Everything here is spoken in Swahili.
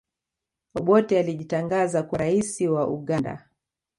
obote alijitangaza kuwa raisi wa uganda